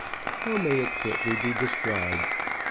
How may it fitly be described?